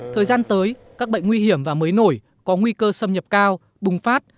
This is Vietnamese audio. thời gian tới các bệnh nguy hiểm và mới nổi có nguy cơ xâm nhập cao bùng phát